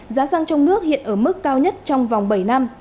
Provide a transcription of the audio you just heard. giá xăng trong nước hiện ở mức cao nhất trong vòng bảy năm